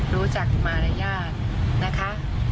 รู้จักมารยาทนะคะ